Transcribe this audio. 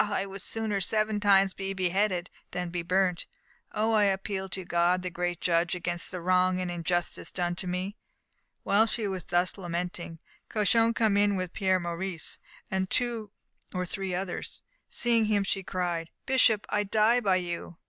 I would sooner seven times be beheaded than be burnt! Oh, I appeal to God, the great Judge, against the wrong and injustice done to me!" While she was thus lamenting Cauchon came in, with Pierre Maurice, and two or three others. Seeing him, she cried: "Bishop, I die by you!"